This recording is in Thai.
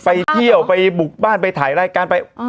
ไปเที่ยวไปบุกบ้านไปถ่ายรายการไป